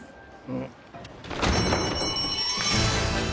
うん。